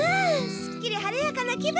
すっきり晴れやかな気分！